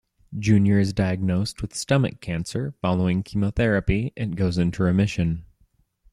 Junior is diagnosed with stomach cancer; following chemotherapy, it goes into remission.